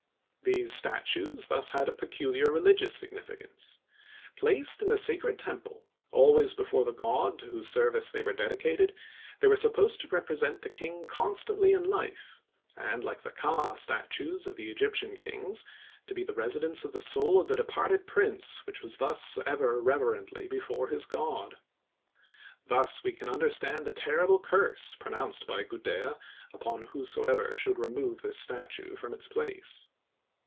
These statues thus had a peculiar religious significance. Placed in the sacred temple, always before the god to whose service they were dedicated, they were supposed to represent the king constantly in life, and like the "Ka" statues of the Egyptian kings, to be the residence of the soul of the departed prince which was thus ever reverently before his god. Thus we can understand the terrible curse pronounced by Gudea upon whosoever should remove this statue from its place.